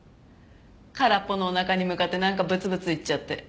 空っぽのお腹に向かってなんかブツブツ言っちゃって。